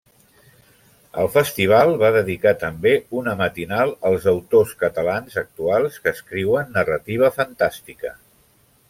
El festival va dedicar també una matinal als autors catalans actuals que escriuen narrativa fantàstica.